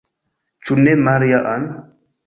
Ĉu ne, Maria-Ann?